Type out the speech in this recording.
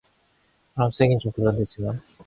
바람 쐬긴 좀 그런 데지만...